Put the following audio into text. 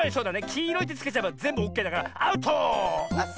「きいろい」ってつけちゃえばぜんぶオッケーだからアウト！